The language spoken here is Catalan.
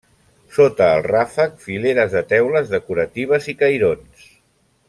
Sota el ràfec, fileres de teules decoratives i cairons.